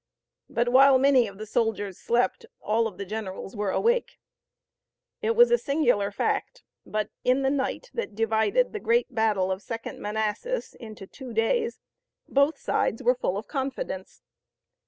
But while many of the soldiers slept all of the generals were awake. It was a singular fact but in the night that divided the great battle of the Second Manassas into two days both sides were full of confidence.